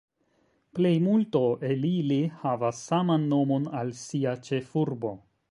Plejmulto el ili havas saman nomon al sia ĉefurbo.